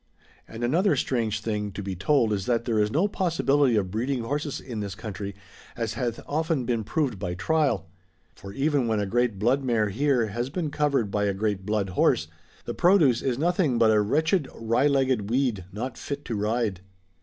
And another strange thing to be told is that there is no possibility of breeding horses in this country, as hath often been proved by trial. For even when a great blood mare here has been covered by a great blood horse, the produce is nothing but a wretched wry legged w^eed, not fit to ride.'